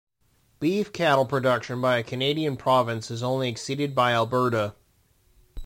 Beef cattle production by a Canadian province is only exceeded by Alberta.